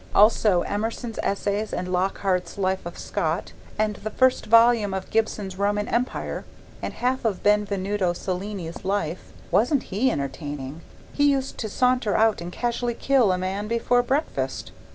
Also Emerson's Essays and Lockhart's Life of Scott and the first volume of Gibbon's Roman Empire and half of Benvenuto Cellini's Life wasn't he entertaining? He used to saunter out and casually kill a man before breakfast.